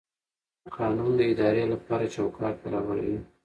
قانون د ادارې لپاره چوکاټ برابروي.